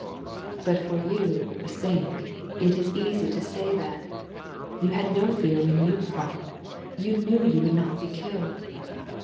''But for you, a saint, it is easy to say that. You had no fear when you fought. You knew you would not be kiUed."